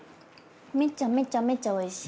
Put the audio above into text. めっちゃめっちゃめっちゃおいしい。